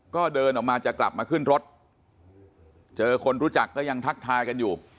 ก็เดินออกมาจะกลับมาขึ้นรถเจอคนรู้จักก็ยังทักทายกันอยู่